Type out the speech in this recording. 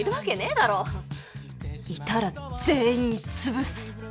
心の声いたら全員潰す。